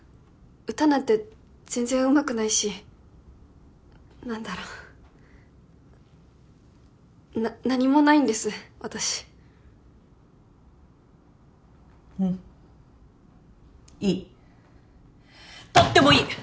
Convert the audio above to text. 歌なんて全然うまくないし何だろうなっ何もないんです私うんいいとってもいい！